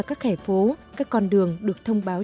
các khẻ phố các con đường được thông báo